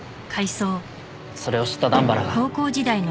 それを知った段原が。